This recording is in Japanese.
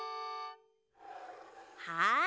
はい。